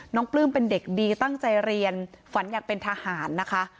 ปลื้มเป็นเด็กดีตั้งใจเรียนฝันอยากเป็นทหารนะคะ